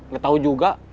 kalo tau juga